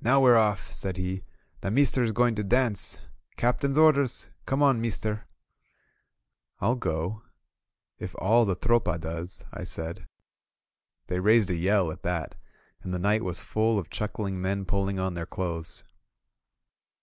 "Now we're off!" said he. "The meester is going to dance! Captain's orders ! Come on, meester !" "m go if all the Tropa does," I said. They raised a yell at that, and the night was full of chuckling men pulling on their clothes.